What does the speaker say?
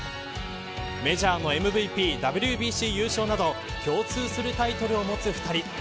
メジャーのＭＶＰＷＢＣ優勝など共通するタイトルを持つ２人。